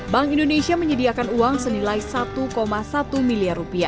bank indonesia menyediakan uang senilai rp satu satu miliar